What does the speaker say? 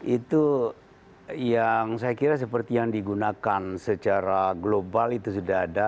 itu yang saya kira seperti yang digunakan secara global itu sudah ada